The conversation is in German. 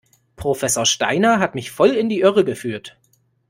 Professor Steiner hat mich voll in die Irre geführt.